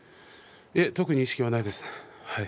特に意識はないです。